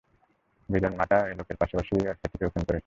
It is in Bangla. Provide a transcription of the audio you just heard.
বেজন্মাটা এ লোকের পাশাপাশি এর খ্যাতিকেও খুন করেছে।